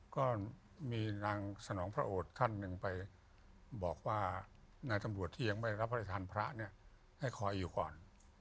ก็มีนางสนองพระโอดท่านหนึ่งไปบอกว่านายตำรวจที่ยังไม่รับพระราชทานพระเนี่ยให้คอยอยู่ก่อน